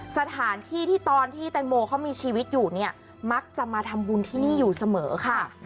สถานที่ที่ตอนที่แตงโมเขามีชีวิตอยู่เนี่ยมักจะมาทำบุญที่นี่อยู่เสมอค่ะ